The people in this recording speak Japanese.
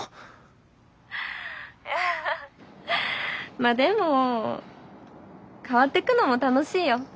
まっでも変わっていくのも楽しいよ。